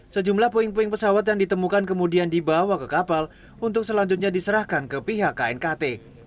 sejumlah puing puing pesawat yang ditemukan kemudian dibawa ke kapal untuk selanjutnya diserahkan ke pihak knkt